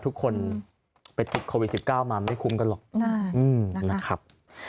ทุกคนไปติดโควิด๑๙มาไม่คุ้มกันหรอกนะครับ